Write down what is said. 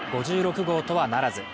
５６号とはならず。